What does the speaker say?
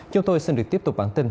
chúng tôi xin được tiếp tục bản tin